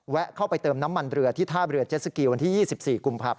เข้าไปเติมน้ำมันเรือที่ท่าเรือเจสสกีวันที่๒๔กุมภาพ